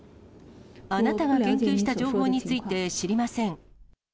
あなたが言及した情報について知りません。